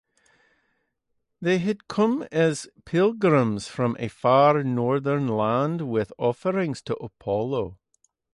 They had come as pilgrims from a far norther land with offerings to Apollo.